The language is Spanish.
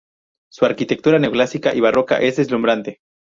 Su arquitectura neoclásica y barroca es deslumbrante.